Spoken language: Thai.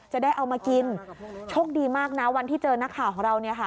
จะได้เอามากินโชคดีมากนะวันที่เจอหน้าข่าวของเรา